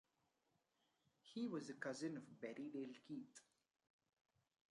He was a cousin of Berriedale Keith.